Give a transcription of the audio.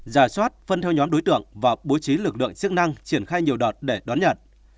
giả soát phân theo nhóm đối tượng và bố trí lực lượng chức năng triển khai nhiều đợt để đón nhận